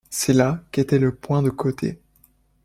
C’est là qu’était le point de côté.